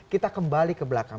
kita kembali ke belakang